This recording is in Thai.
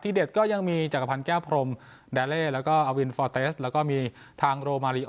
ที่เด็ดก็ยังมีจักรพันธ์แก้พรมแล้วก็แล้วก็มีทาง